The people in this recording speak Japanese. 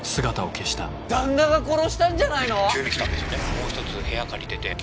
もう１つ部屋借りてて。